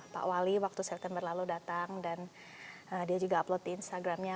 pak wali waktu september lalu datang dan dia juga upload di instagramnya